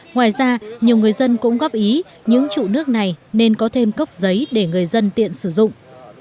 ngoài ra nhiều người dân cũng góp ý những trụ nước này nên có thêm cốc giấy để người dân tiện sử dụng